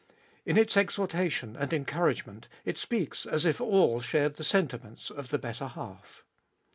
In its exhorta tion and encouragement it speaks as if all shared the sentiments of the better half.